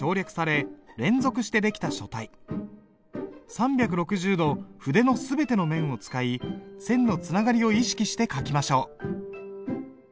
３６０度筆の全ての面を使い線のつながりを意識して書きましょう。